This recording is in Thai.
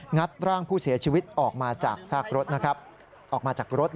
งัดร่างผู้เสียชีวิตออกมาจากรถ